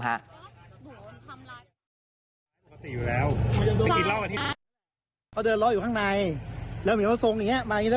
เขาเห็นกันแหละว่าข้างหลังซิบมารูดสุดหมดแล้วไง